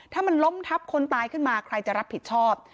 ถ้ามันล้มทับคนตายขึ้นมาใครจะรับผิดชอบ